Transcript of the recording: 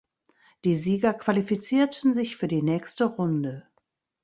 Die Sieger qualifizierten sich für die nächste Runde.